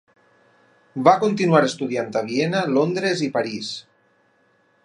Va continuar estudiant a Viena, Londres i París.